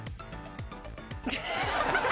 ハハハハ！